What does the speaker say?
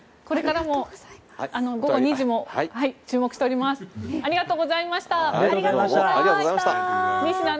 これからも、午後２時も注目しております。